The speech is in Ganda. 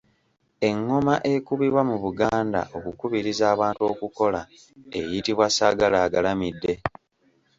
Engoma ekubibwa mu Buganda okukubiriza abantu okukola eyitibwa Ssaagalaagalamidde.